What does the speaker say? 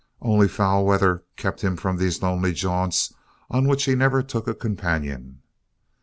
Only foul weather kept him in from these lonely jaunts on which he never took a companion.